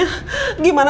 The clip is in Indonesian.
pak jaja suami saya